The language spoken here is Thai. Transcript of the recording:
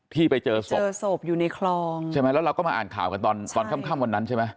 ที่ไปเจอศพเจอศพอยู่ในคลองใช่ไหมแล้วเราก็มาอ่านข่าวกันตอนค่ำวันนั้นใช่ไหม